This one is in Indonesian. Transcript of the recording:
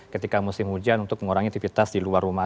ketika musim hujan untuk mengurangi aktivitas di luar rumah